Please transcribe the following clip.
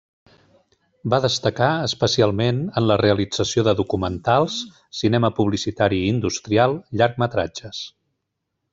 Va destacar, especialment, en la realització de documentals, cinema publicitari i industrial, llargmetratges.